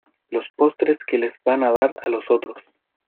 los postres que les van a dar a los otros.